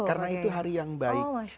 karena itu hari yang baik